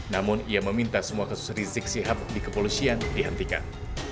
namun ia meminta semua kasus risik sihat dikepolusian dihentikan